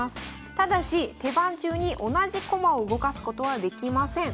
ただし手番中に同じ駒を動かすことはできません。